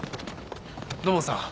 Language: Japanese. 土門さん